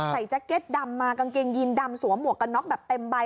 แจ็คเก็ตดำมากางเกงยีนดำสวมหมวกกันน็อกแบบเต็มใบ